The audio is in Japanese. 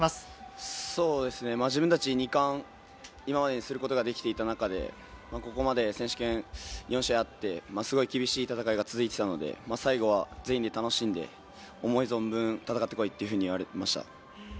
自分達、２冠、今まですることができていた中で、これまで選手権、４試合あって、厳しい戦いが続いていたので、最後は全員で楽しんで、思う存分戦ってこいといわれました。